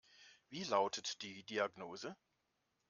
Wie lautet die Diagnose?